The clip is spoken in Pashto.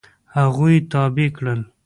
هغوی یې تابع کړل.